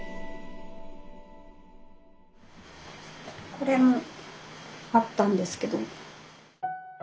これもあったんですけど。